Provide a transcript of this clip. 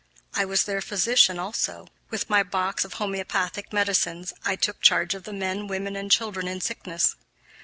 I was their physician, also with my box of homeopathic medicines I took charge of the men, women, and children in sickness.